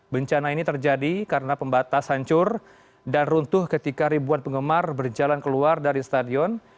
bencana ini terjadi karena pembatas hancur dan runtuh ketika ribuan penggemar berjalan keluar dari stadion